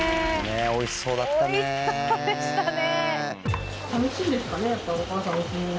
おいしそうでしたね。